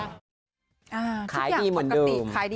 ทุกอย่างปกติขายดีเหมือนเดิมครับ